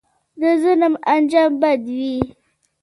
د ظلم انجام بد وي